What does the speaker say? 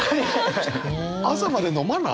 朝まで飲まない？